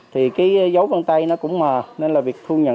thì cái dấu vân tay nó cũng mờ nên là việc thu nhận